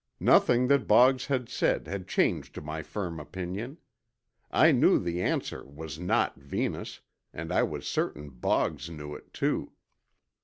Nothing that Boggs had said had changed my firm opinion. I knew the answer was not Venus, and I was certain Boggs knew it, too.